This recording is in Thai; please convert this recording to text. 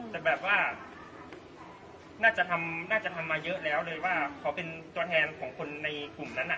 แต่แบบว่าน่าจะทำน่าจะทำมาเยอะแล้วเลยว่าเขาเป็นตัวแทนของคนในกลุ่มนั้น